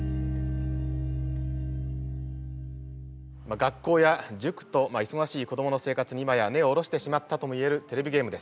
学校や塾と忙しい子どもの生活に今や根を下ろしてしまったとも言えるテレビゲームです。